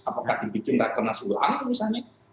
apakah dibuat rekonans ulang misalnya